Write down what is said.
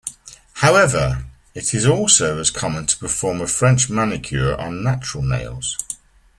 However, it is also as common to perform a French manicure on natural nails.